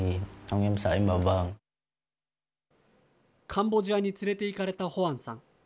カンボジアに連れていかれたホアンさん。